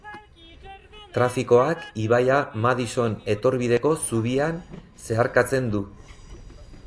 Trafikoak ibaia Madison Etorbideko Zubian zeharkatzen du.